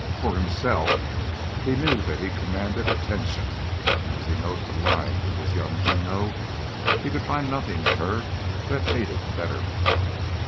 For himself, he knew that he commanded attention, and as he noted the lines of this young Juno he could find nothing in her that needed betterment.